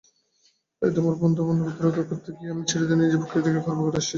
তাই তোমার বন্ধুত্বকে রক্ষা করতে গিয়ে আমি চিরদিনই নিজের প্রকৃতিকে খর্ব করে এসেছি।